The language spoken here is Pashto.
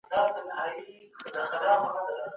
کابینه نظامي تمرینات نه ترسره کوي.